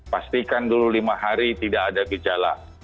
pastikan dulu lima hari tidak ada gejala